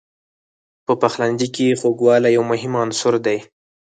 په پخلنځي کې خوږوالی یو مهم عنصر دی.